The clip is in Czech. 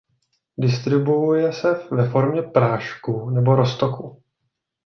Distribuuje se ve formě prášku nebo roztoku.